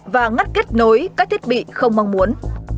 và ngắt kết nối các thiết bị không mong muốn